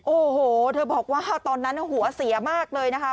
โอ้โหเธอบอกว่าตอนนั้นหัวเสียมากเลยนะคะ